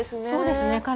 そうですね。